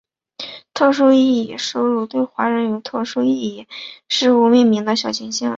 特殊意义收录对华人有特殊意义的事物命名的小行星。